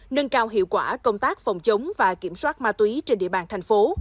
nâng cao hiệu quả công tác phòng chống và kiểm soát ma túy trên địa bàn thành phố